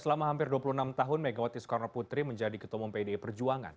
selama hampir dua puluh enam tahun megawati soekarnoputri menjadi ketua mempd perjuangan